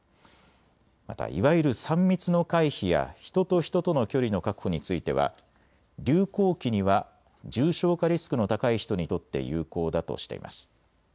またいわゆる３密の回避や人と人との距離の確保については流行期には重症化リスクの高い人にとって有効だとしています。